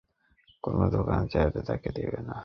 দোকানে চাইলেই তোকে দিবে না।